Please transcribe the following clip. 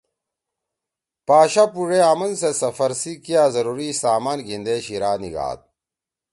پاشا پُوڙے آمنسیت سفر سی کیا ضروری سامان گھیِندے شیِرا نیِگھاد۔